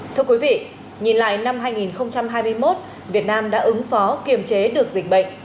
thưa quý vị nhìn lại năm hai nghìn hai mươi một việt nam đã ứng phó kiềm chế được dịch bệnh